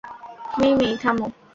মেই-মেই, থামো!